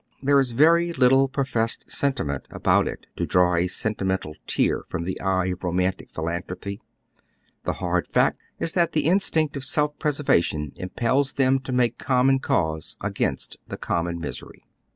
Tliei'e is very little professed sentiment about it to draw a senti mental tear fram the eye of romantic philanthropy,. The hard fact is that the instinct of self preservation impels them to make common cause against the common misery.